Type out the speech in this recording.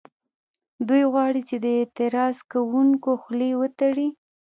دوی غواړي چې د اعتراض کوونکو خولې وتړي